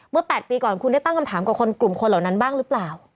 ๘ปีก่อนคุณได้ตั้งคำถามกับคนกลุ่มคนเหล่านั้นบ้างหรือเปล่า